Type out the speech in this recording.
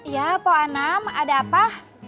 ya po anam ada apa